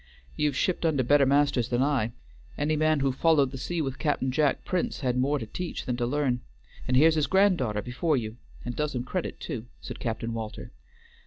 "You've shipped under better masters than I. Any man who followed the sea with Cap'n Jack Prince had more to teach than to learn. And here's his grand daughter before you, and does him credit too," said Captain Walter.